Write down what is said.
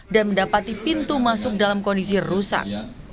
dan mendapati pintu masuk dalam kondisi rusak